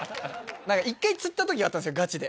何か１回つった時があったんですよガチで。